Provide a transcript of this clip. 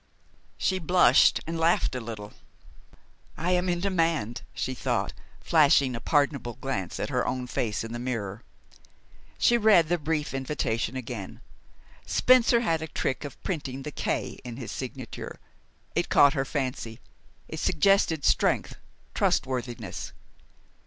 She blushed and laughed a little. "I am in demand," she thought, flashing a pardonable glance at her own face in the mirror. She read the brief invitation again. Spencer had a trick of printing the K in his signature. It caught her fancy. It suggested strength, trustworthiness.